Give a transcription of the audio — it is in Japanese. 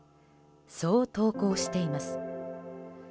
そう投稿しています。